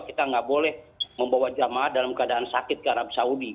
kita nggak boleh membawa jamaah dalam keadaan sakit ke arab saudi